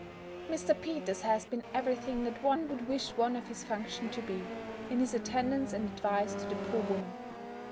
Mr. Peters has been every thing that one would wish one of his function to be, in his attendance and advice to the poor woman.